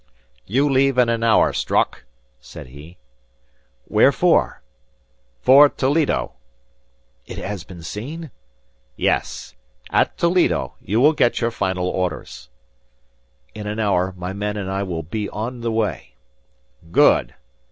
"You leave in an hour, Strock," said he. "Where for?" "For Toledo." "It has been seen?" "Yes. At Toledo you will get your final orders." "In an hour, my men and I will be on the way." "Good!